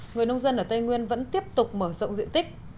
người nông dân ở tây nguyên vẫn tiếp tục mở rộng diện tích